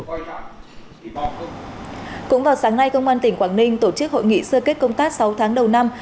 cũng vào sáng nay công an tỉnh quảng ninh tổ chức hội nghị sơ kết công tác sáu tháng đầu năm